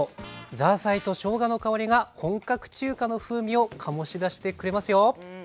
ザーサイとしょうがの香りが本格中華の風味を醸し出してくれますよ。